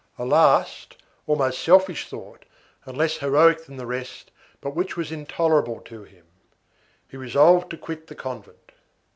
A last, almost selfish thought, and less heroic than the rest, but which was intolerable to him. He resolved to quit the convent.